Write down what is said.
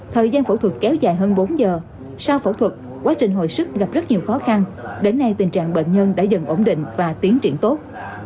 thời gian phẫu thuật kéo dài hơn bốn giờ sau phẫu thuật quá trình hồi sức gặp rất nhiều khó khăn đến nay tình trạng bệnh nhân đã dần ổn định và tiến triển tốt